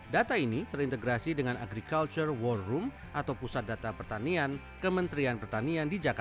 data ini terintegrasi dengan agriculture war room atau pusat data pertanian kementerian pertanian di jakarta